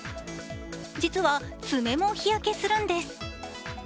実は爪も日焼けするんです。